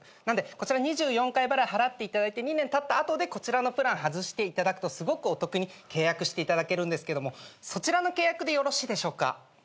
なのでこちら２４回払い払っていただいて２年たった後でこちらのプラン外していただくとすごくお得に契約していただけるんですけどもそちらの契約でよろしいでしょうか？